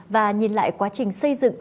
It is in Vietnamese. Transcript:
và nhìn lại quá trình xây dựng